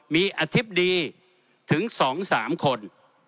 มีอธิบดีถึง๒๓คน